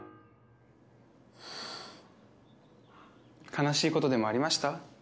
悲しいことでもありました？